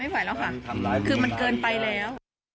ไหวแล้วค่ะคือมันเกินไปแล้ว